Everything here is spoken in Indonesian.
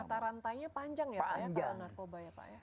mata rantainya panjang ya kalau narkoba ya pak